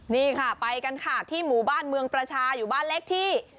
นี่ค่ะไปกันค่ะที่หมู่บ้านเมืองประชาอยู่บ้านเล็กที่